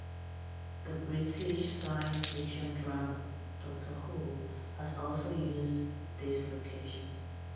The British science fiction drama "Doctor Who" has also used this location.